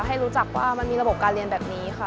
ให้รู้จักว่ามันมีระบบการเรียนแบบนี้ค่ะ